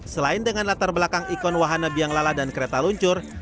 selain dengan latar belakang ikon wahana biang lala dan kereta luncur